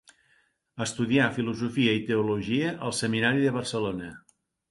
Estudià filosofia i teologia al Seminari de Barcelona.